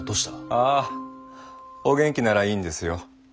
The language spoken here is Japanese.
ああお元気ならいいんですよ。